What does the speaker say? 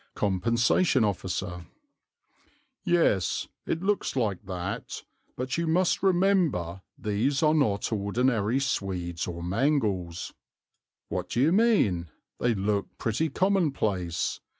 Compensation Officer. "Yes, it looks like that; but you must remember these are not ordinary swedes or mangles." Author. "What do you mean? They look pretty commonplace.